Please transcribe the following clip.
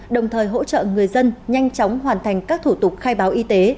đồng thời hỗ trợ người dân nhanh chóng hoàn thành các thủ tục khai báo y tế